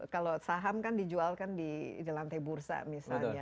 kalau saham kan dijual kan di lantai bursa misalnya